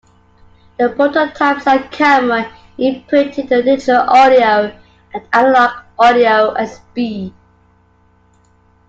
The prototype sound camera imprinted the Digital audio and Analog audio 'at speed'.